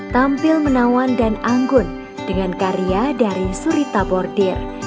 tampil menawan dan anggun dengan karya dari surita bordir